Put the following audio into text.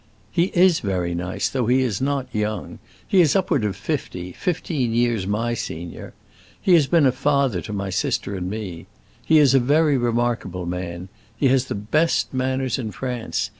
"He is very nice, though he is not young. He is upward of fifty, fifteen years my senior. He has been a father to my sister and me. He is a very remarkable man; he has the best manners in France.